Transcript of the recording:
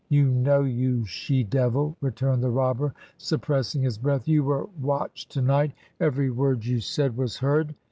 'You know, you she devil I' returned the robber, sup pressing his breath. 'You were watched to night; every word you said was heard.'